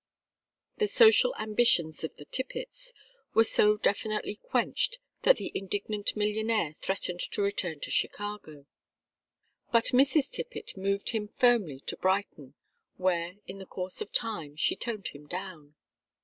The social ambitions of the Tippetts were so definitely quenched that the indignant millionaire threatened to return to Chicago. But Mrs. Tippett moved him firmly to Brighton, where, in the course of time, she toned him down.